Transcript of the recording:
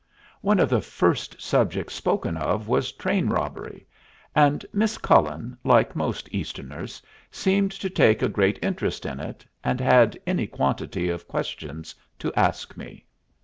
One of the first subjects spoken of was train robbery, and Miss Cullen, like most Easterners, seemed to take a great interest in it, and had any quantity of questions to ask me.